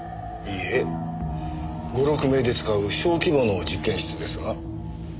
いいえ５６名で使う小規模の実験室ですが。